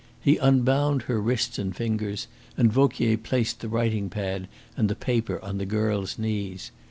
He unbound her wrists and fingers, and Vauquier placed the writing pad and the paper on the girl's knees.